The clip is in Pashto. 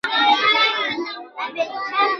اوسنيو په هیڅ شي سرپه ونه کړه.